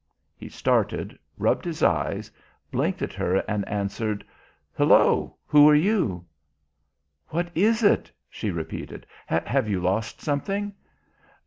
He started, rubbed his eyes, blinked at her and answered: "Hullo, who are you?" "What is it?" she repeated. "Have you lost something?"